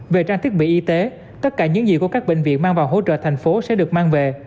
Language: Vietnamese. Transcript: về trang thiết bị y tế tất cả những gì của các bệnh viện mang vào hỗ trợ thành phố sẽ được mang về